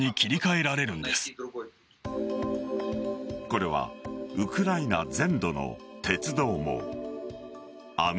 これはウクライナ全土の鉄道網。